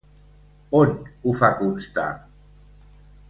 On ho fa constar?